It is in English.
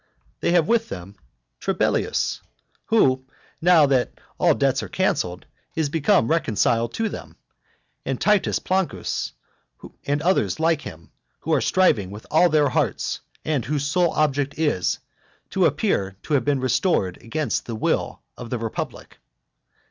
They have with them Trebellius, who, now that all debts are cancelled, is become reconciled to them, and Titus Plancus, and other like them, who are striving with all their hearts, and whose sole object is, to appear to have been restored against the will of the republic.